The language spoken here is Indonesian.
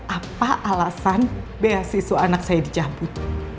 apa alasan bh siswa anak saya di jabut